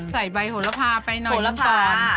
ใส่ใบผลพาไปหน่อยเพราะป่อน